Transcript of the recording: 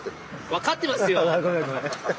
分かってますよ。